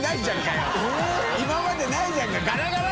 今までないじゃんか！）ガラガラ！